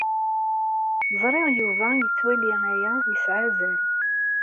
Ẓriɣ Yuba yettwali aya yesɛa azal.